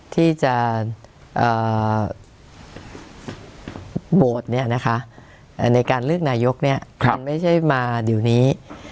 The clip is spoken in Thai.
ที่จะโหวตในการเลือกนายกมันไม่ใช่มาเดี๋ยวนี้